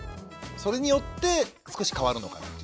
それによって少し変わるのかなと。